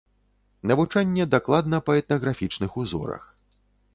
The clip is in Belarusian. Навучанне дакладна па этнаграфічных узорах.